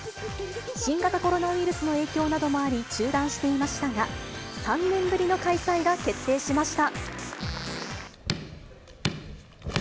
新型コロナウイルスの影響などもあり、中断していましたが、３年ぶりの開催が決定しました。